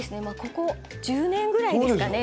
ここ１０年ぐらいですかね。